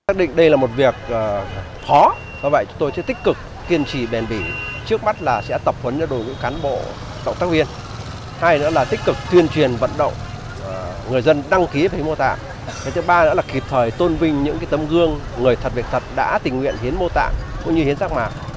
chiếm khoảng năm mươi số người hiến rác mạc trong cả nước